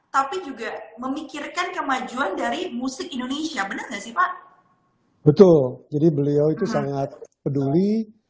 tapi juga memikirkan kemajuan dari musik indonesia betul jadi beliau itu sangat peduli